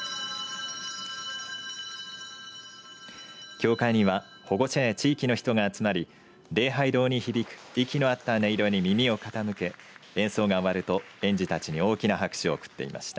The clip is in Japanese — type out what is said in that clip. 教会には保護者や地域の人が集まり礼拝堂に響く息の合った音色に耳を傾け、演奏が終わると園児たちに大きな拍手を送っていました。